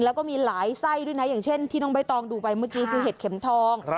แล้วก็มีหลายไส้ด้วยนะอย่างเช่นที่น้องใบตองดูไปเมื่อกี้คือเห็ดเข็มทอง